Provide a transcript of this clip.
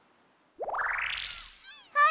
はい。